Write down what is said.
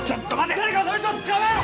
誰かそいつを捕まえろ！